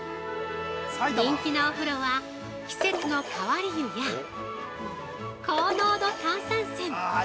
人気のお風呂は季節の替わり湯や高濃度炭酸泉！